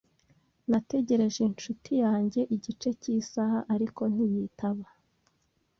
Nategereje inshuti yanjye igice cy'isaha, ariko ntiyitaba.